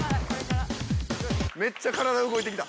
めっちゃ動いてきた。